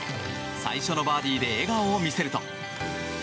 最初のバーディーで笑顔を見せると。